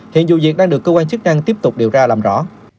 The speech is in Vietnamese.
hiện vụ việc đang được cơ quan chức năng tiếp tục điều tra làm rõ